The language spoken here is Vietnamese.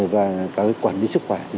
và cả cái quản lý sức khỏe thì rất tốt